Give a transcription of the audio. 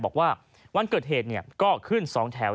บอกว่าวันเกิดเหตุก็ขึ้น๒แถว